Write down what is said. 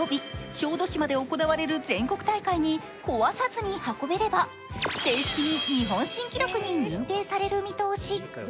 小豆島で行われる小豆島大会に壊さずに運ぶことが出来れば正式に日本新記録に認定される見通し。